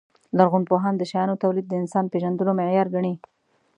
لرغونپوهان د شیانو تولید د انسان پېژندلو معیار ګڼي.